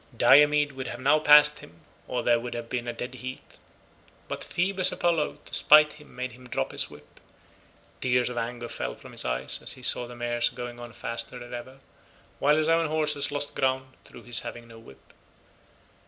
Diomed would have now passed him, or there would have been a dead heat, but Phoebus Apollo to spite him made him drop his whip. Tears of anger fell from his eyes as he saw the mares going on faster than ever, while his own horses lost ground through his having no whip.